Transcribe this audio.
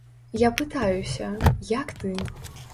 Я пытаюся, як ты?